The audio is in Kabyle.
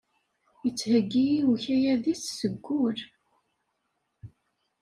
Yettheggi i ukayad-is seg wul.